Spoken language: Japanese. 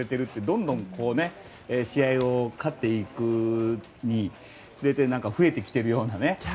どんどん、試合に勝っていくにつれて増えてきているような。